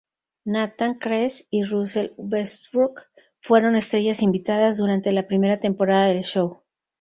Nathan Kress y Russell Westbrook fueron estrellas invitadas durante la primera temporada del show.